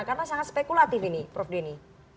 karena sangat spekulatif ini prof denny